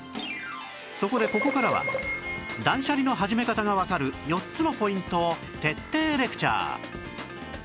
そこでここからは断捨離の始め方がわかる４つのポイントを徹底レクチャー